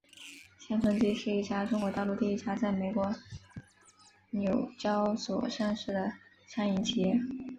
乡村基是一家中国大陆第一家在美国纽交所上市的餐饮企业。